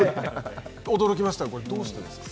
驚きましたが、どうしてですか。